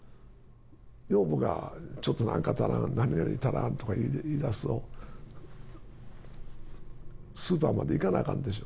女房がちょっとなんか足らん、何々足らんとか言い出すと、スーパーまで行かなあかんでしょ。